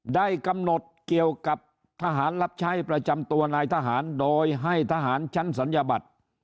ได้กำหนดเกี่ยวกับทหารรับใช้ประจำตัวนายทหารโดยให้ทหารชั้นศัลยบัตร